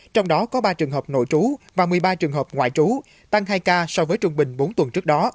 trong đó có ba trường hợp nội trú và một mươi ba trường hợp ngoại trú tăng hai ca so với trung bình bốn tuần trước đó